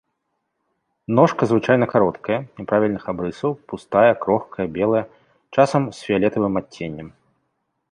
Ножка звычайна кароткая, няправільных абрысаў, пустая, крохкая, белая, часам з фіялетавым адценнем.